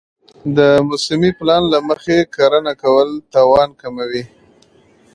د موسمي پلان له مخې کرنه کول تاوان کموي.